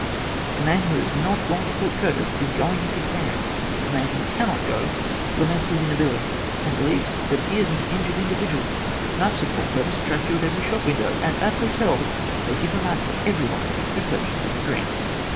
The man who has not gone to Port Curtis is going if he can ; the man who cannot go laments his inability, and believes that he is an injured individual. Maps of Port Curtis attract you in every shop window, and at hotels they give a map to every one who purchases a drink.